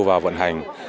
vào vận hành